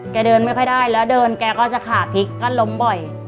เดินไม่ค่อยได้แล้วเดินแกก็จะขาพลิกก็ล้มบ่อย